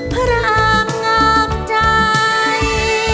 พระอำงามใจ